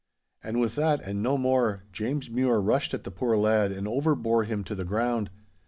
And with that and no more, James Mure rushed at the poor lad and overbore him to the ground.